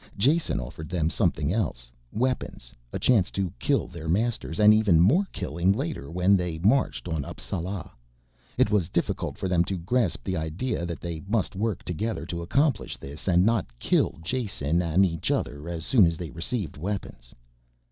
Jason offered them something else, weapons, a chance to kill their masters, and even more killing later when they marched on Appsala. It was difficult for them to grasp the idea that they must work together to accomplish this and not kill Jason and each other as soon as they received weapons.